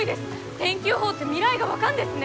天気予報って未来が分かんですね！